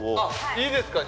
いいですか？